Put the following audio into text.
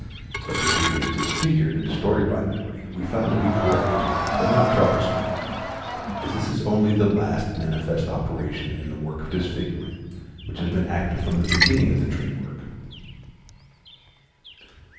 That the dream is disfigured and distorted by memory we found to be correct, but not troublesome, as this is only the last manifest operation in the work of disfigurement which has been active from the beginning of the dream work.